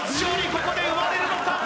ここで生まれるのか？